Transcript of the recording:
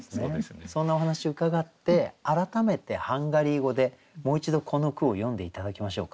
そんなお話伺って改めてハンガリー語でもう一度この句を読んで頂きましょう。